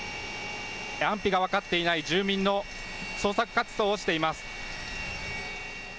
安否が分かっていない住民の捜索活動をしています。